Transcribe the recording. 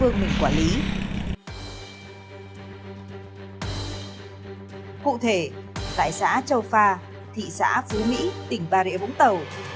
cụ thể tại xã châu pha thị xã phú mỹ tỉnh bà rịa vũng tàu